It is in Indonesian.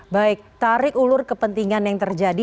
baik tarik ulur kepentingan yang terjadi